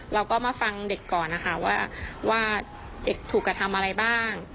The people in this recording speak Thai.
เราก็มาฟังเด็กก่อนนะคะว่าเด็กถูกกระทำอะไรบ้าง